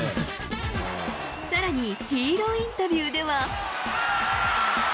さらに、ヒーローインタビューでは。